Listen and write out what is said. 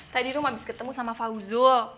tadi rum abis ketemu sama fauzul